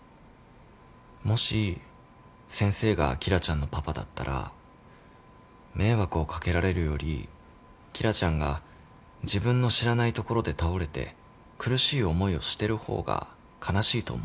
もし先生が紀來ちゃんのパパだったら迷惑をかけられるより紀來ちゃんが自分の知らない所で倒れて苦しい思いをしてる方が悲しいと思うんだよ。